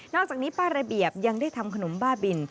อกจากนี้ป้าระเบียบยังได้ทำขนมบ้าบิน